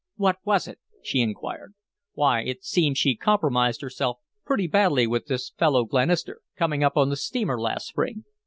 "What was it?" she inquired. "Why, it seems she compromised herself pretty badly with this fellow Glenister coming up on the steamer last spring.